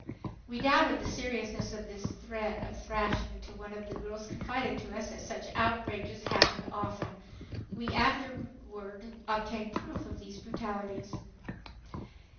We doubted the seriousness of this threat of thrashing until one of the girls confided to us that such outrages happened often. We afterward obtained proof of these brutalities.